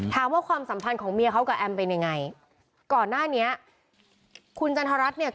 ถามว่าความสัมพันธ์ของเมียเขากับแอ่มเป็นยังไงก่อนหน้านี้